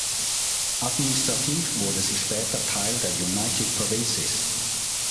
Administrativ wurde sie später Teil der "United Provinces".